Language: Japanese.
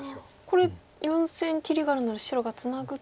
これ４線切りがあるので白がツナぐと。